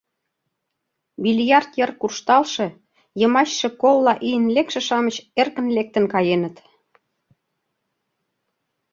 Бильярд йыр куржталше, йымачше колла ийын лекше-шамыч эркын лектын каеныт.